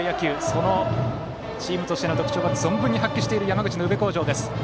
そのチームとしての特徴を存分に発揮している山口の宇部鴻城です。